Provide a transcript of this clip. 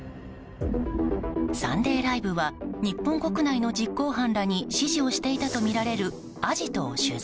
「サンデーＬＩＶＥ！！」は日本国内の実行犯らに指示をしていたとみられるアジトを取材。